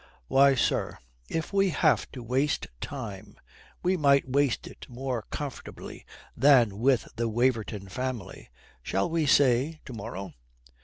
"Why, sir, if we have to waste time, we might waste it more comfortably than with the Waverton family. Shall we say to morrow?"